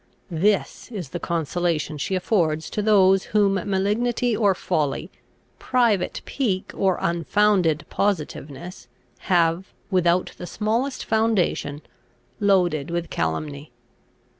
This is the consolation she affords to those whom malignity or folly, private pique or unfounded positiveness, have, without the smallest foundation, loaded with calumny."